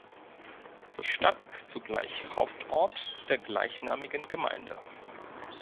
Die Stadt ist zugleich Hauptort der gleichnamigen Gemeinde.